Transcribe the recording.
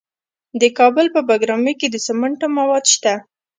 د کابل په بګرامي کې د سمنټو مواد شته.